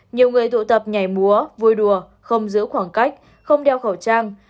nhiều người tụ tập nhảy múa vui đùa không giữ khoảng cách không đeo khẩu trang